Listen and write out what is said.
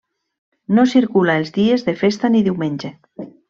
No circula els dies de festa ni diumenge.